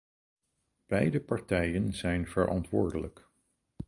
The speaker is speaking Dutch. Beide partijen zijn verantwoordelijk.